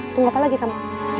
tunggu apa lagi kamu